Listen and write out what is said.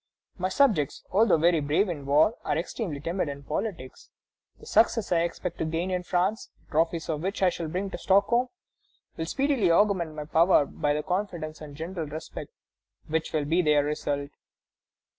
My subjects, although very brave in war, are extremely timid in politics. The successes I expect to gain in France, the trophies of which I shall bring back to Stockholm, will speedily augment my power by the confidence and general respect which will be their result."